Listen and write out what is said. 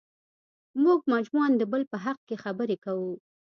موږ مجموعاً د بل په حق کې خبرې کوو.